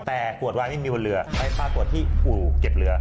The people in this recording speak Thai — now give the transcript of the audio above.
แต่ขวดวายไม่มีบนเรือไปปรากฏที่อู่เก็บเรือ